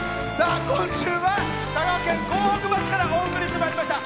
今週は佐賀県江北町からお送りしてまいりました。